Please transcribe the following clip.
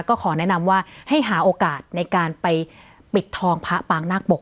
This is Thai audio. ก็ขอแนะนำว่าให้หาโอกาสในการไปปิดทองพระปางนาคปก